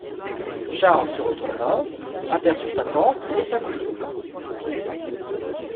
Charles se retourna, aperçut sa tante et sa cousine.